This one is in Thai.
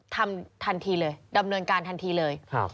ทำทันทีเลยดำเนินการทันทีเลย